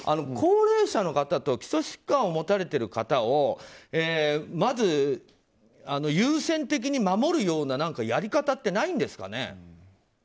高齢者の方と基礎疾患を持たれている方をまず優先的に守るようなやり方ってないんですかね。